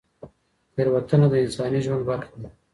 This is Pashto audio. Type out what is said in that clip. تېروتنه د انساني ژوند برخه ده.